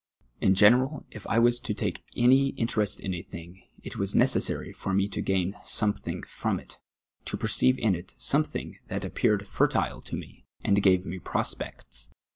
In general, if I was to take any interest in a thing, it was neces t^ary for me to gain something from it, to perceive in it some thing that appeared fertile to me, and gave mc prospects.